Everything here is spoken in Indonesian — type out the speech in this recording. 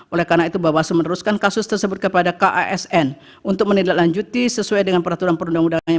oleh karena itu bahwa wastu meneruskan kasus tersebut kepada kasn untuk menidaklanjuti sesuai dengan peraturan perundang undang yang berlaku